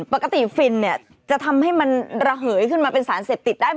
ฟินเนี่ยจะทำให้มันระเหยขึ้นมาเป็นสารเสพติดได้ไหม